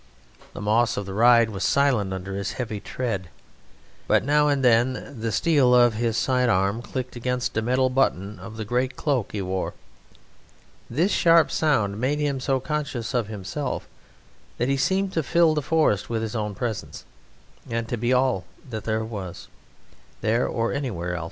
The moss of the ride was silent under his heavy tread, but now and then the steel of his side arm clicked against a metal button of the great cloak he wore. This sharp sound made him so conscious of himself that he seemed to fill that forest with his own presence and to be all that was, there or elsewhere.